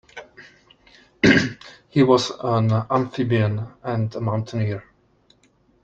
He was an amphibian and a mountaineer.